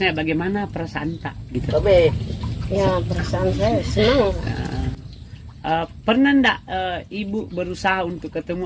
iya bagaimana perasaan tak gitu be ya perasaan saya senang pernah ndak ibu berusaha untuk ketemu